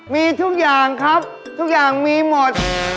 มีทุกอย่างครับทุกอย่างมีหมด